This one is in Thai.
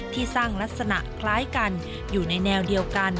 ที่สร้างลักษณะคล้ายกันอยู่ในแนวเดียวกัน